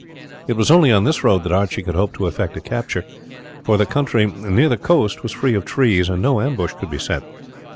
It was only on this road that Archie could hope to effect a capture; for the country near the coast was free of trees, and no ambush could be set.